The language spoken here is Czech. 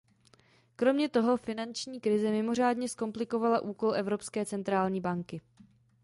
Kromě toho finanční krize mimořádně zkomplikovala úkol Evropské centrální banky.